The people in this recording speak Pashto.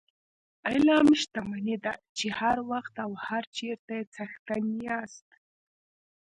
علم شتمني ده چې هر وخت او هر چېرته یې څښتن یاست.